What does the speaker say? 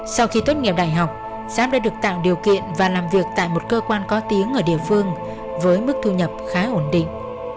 sau khi tốt nghiệp đại học giáp đã được tạo điều kiện và làm việc tại một cơ quan có tiếng ở địa phương với mức thu nhập khá ổn định